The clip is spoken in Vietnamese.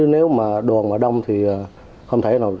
nếu mà đồn và đông thì không thể nào